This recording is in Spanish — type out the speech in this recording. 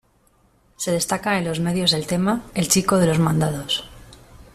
Se destaca en los medios el tema "El chico de los mandados".